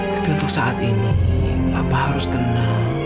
tapi untuk saat ini bapak harus tenang